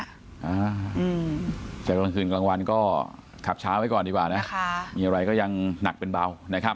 อาจจะกลางคืนกลางวันก็ขับช้าไว้ก่อนดีกว่านะค่ะมีอะไรก็ยังหนักเป็นเบานะครับ